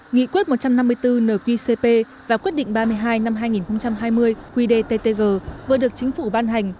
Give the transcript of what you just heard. nghị quyết một trăm năm mươi bốn nqcp và quyết định ba mươi hai năm hai nghìn hai mươi qdttg vừa được chính phủ ban hành